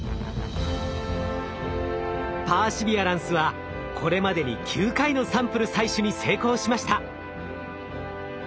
パーシビアランスはこれまでに９回のサンプル採取に成功しました。